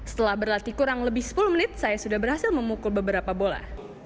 setelah berlatih kurang lebih sepuluh menit saya sudah berhasil memukul beberapa bola